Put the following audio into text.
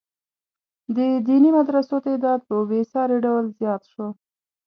د دیني مدرسو تعداد په بې ساري ډول زیات شو.